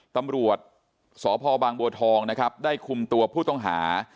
ตำรวจสพบางบัวทองนะครับได้คุมตัวผู้ต้องหา